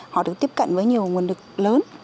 họ được tiếp cận với nhiều nguồn lực lớn